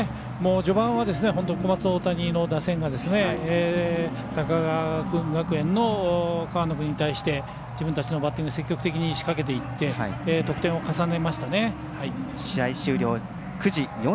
序盤は、小松大谷の打線が高川学園の河野君に対して自分たちのバッティング積極的に仕掛けていって得点を重ねましたね。